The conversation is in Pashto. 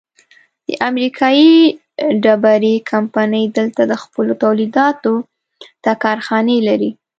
د امریکې ډېرۍ کمپنۍ دلته خپلو تولیداتو ته کارخانې لري.